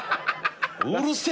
うるせえ！